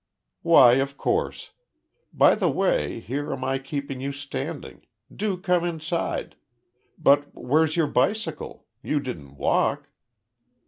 "Why, of course. By the way, here am I keeping you standing. Do come inside. But where's your bicycle? You didn't walk?"